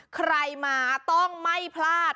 ใครมาต้องไม่พลาด